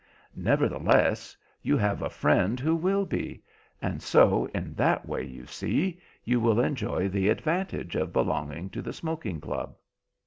"Nevertheless, you have a friend who will be, and so in that way, you see, you will enjoy the advantages of belonging to the smoking club."